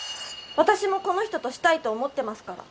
私もこの人とシたいと思ってますから